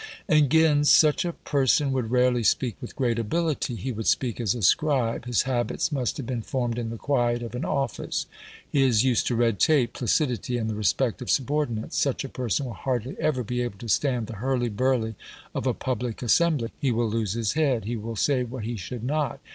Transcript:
Again, such a person would rarely speak with great ability. He would speak as a scribe. His habits must have been formed in the quiet of an office: he is used to red tape, placidity, and the respect of subordinates. Such a person will hardly ever be able to stand the hurly burly of a public assembly. He will lose his head he will say what he should not.